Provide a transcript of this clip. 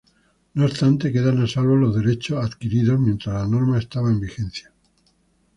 No obstante, quedan a salvo los derechos adquiridos mientras la norma estaba en vigencia.